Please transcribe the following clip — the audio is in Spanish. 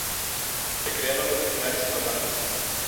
Se crearon dos escenarios flotantes.